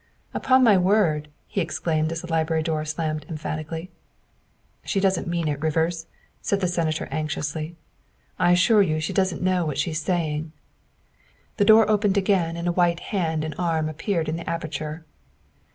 " Upon my word," he exclaimed as the library door slammed emphatically. '' She doesn 't mean it, Rivers, '' said the Senator anx iously; " I assure you she doesn't know what she's saying. '' The door opened again and a white hand and arm appeared in the aperture.